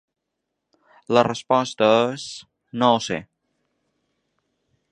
La resposta és… no ho sé.